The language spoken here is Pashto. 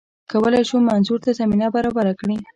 کولای شو منظور ته زمینه برابره کړي